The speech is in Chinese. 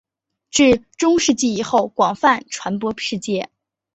至中世纪以后广泛传遍世界。